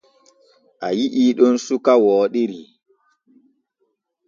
A yi’ii ɗon suka wooɗiri.